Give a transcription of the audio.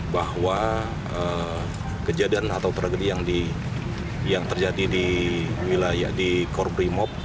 bahwa kejadian atau tragedi yang terjadi di wilayah di korprimob